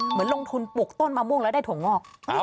เหมือนลงทุนปลูกต้นมะม่วงแล้วได้ถั่วงอก